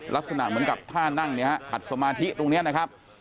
ลักษณะเหมือนกับท่านั่งเนี่ยฮะขัดสมาธิตรงนี้นะครับ